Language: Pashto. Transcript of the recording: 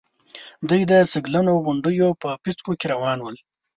دوی د شګلنو غونډېو په پيڅکو کې روان ول.